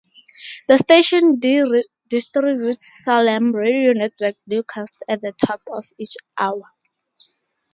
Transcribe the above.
The station redistributes Salem Radio Network newscasts at the top of each hour.